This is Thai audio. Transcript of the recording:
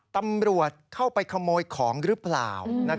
ตำรวจเข้าไปขโมยของหรือเปล่า